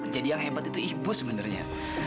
jadi yang hebat itu ibu sebenarnya